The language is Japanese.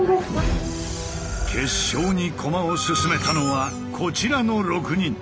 決勝にコマを進めたのはこちらの６人。